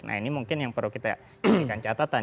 nah ini mungkin yang perlu kita jadikan catatan